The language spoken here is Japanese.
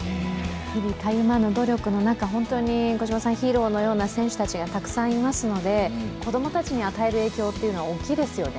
日々たゆぬま努力の中、ヒーローのような選手たちがたくさんいますので、子供たちに与える影響というのは大きいですよね。